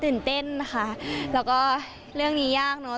ตื่นเต้นนะคะแล้วก็เรื่องนี้ยากเนอะ